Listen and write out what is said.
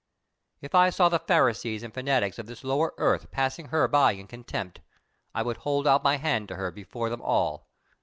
If I saw the Pharisees and fanatics of this lower earth passing her by in contempt, I would hold out my hand to her before them all.